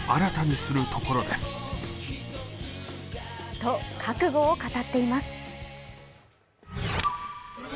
と、覚悟を語っています。